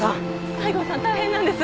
西郷さん大変なんです